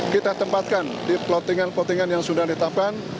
kita tempatkan di pelotingan pelotingan yang sudah ditetapkan